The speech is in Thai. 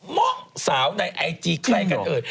ม้องสาวในไอจีใครกันเอิญ